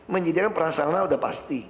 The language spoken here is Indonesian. menyediakan perhasilan sudah pasti